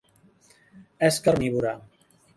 És carnívora.